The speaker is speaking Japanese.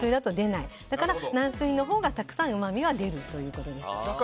だから軟水のほうがたくさんうまみが出るということになります。